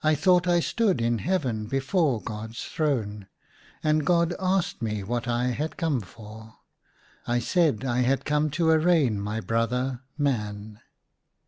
THOUGHT I stood in Heaven before God's throne, and God asked me what I had come for. I said I had come to arraign my brother, Man.